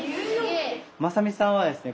正己さんはですね